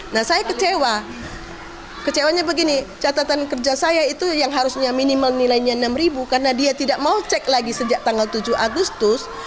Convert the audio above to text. nah saya kecewa kecewanya begini catatan kerja saya itu yang harusnya minimal nilainya enam ribu karena dia tidak mau cek lagi sejak tanggal tujuh agustus